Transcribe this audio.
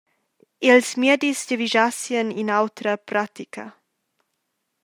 Ils miedis giavischassien in’autra pratica.